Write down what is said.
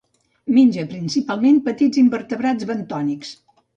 Menja principalment petits invertebrats bentònics.